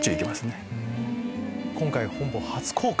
今回本邦初公開！